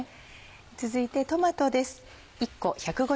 続いてトマトです。